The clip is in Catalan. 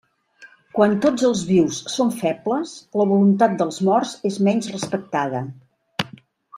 Quan tots els vius són febles, la voluntat dels morts és menys respectada.